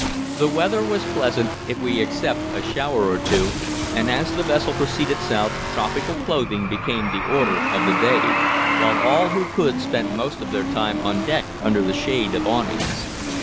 The weather was pleasant, if we except a shower or two, and as the vessel proceeded south, tropical clothing became the order of the day, while all who could, spent most of their time on deck under the shade of awnings.